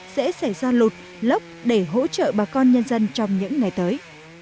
sẽ xảy ra lột lốc để hỗ trợ bà con nhân dân trong những ngày tới